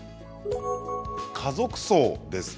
家族葬です。